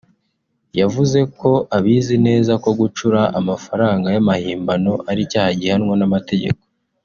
yavuze ko abizi neza ko gucura amafaranga y’amahimbano ari icyaha gihanwa n’amategeko